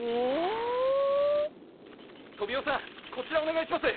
トビオさんこちらお願いします！